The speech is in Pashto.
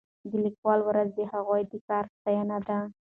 د لیکوالو ورځ د هغوی د کار ستاینه ده.